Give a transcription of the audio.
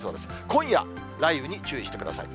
今夜、雷雨に注意してください。